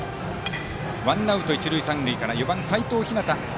ワンアウト一塁三塁から４番、齋藤陽。